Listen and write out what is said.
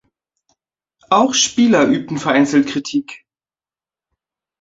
Auch Spieler übten vereinzelt Kritik.